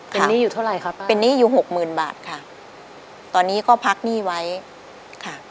เป็นหนี้อยู่เท่าไรครับป้าเป็นหนี้อยู่หกหมื่นบาทค่ะตอนนี้ก็พักหนี้ไว้ค่ะ